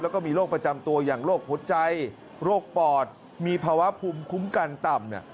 แล้วก็มีโรคประจำตัวอย่างโรคหัวใจโรคปอดมีภาวะภูมิคุ้มกันต่ำ